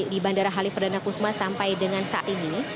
di bandara halif perdana kusma sampai dengan saat ini